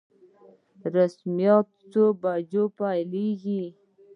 رسميات په څو بجو پیلیږي؟